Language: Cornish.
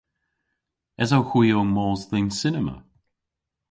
Esowgh hwi ow mos dhe'n cinema?